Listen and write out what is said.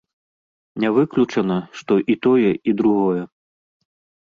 Не выключана, што і тое і другое.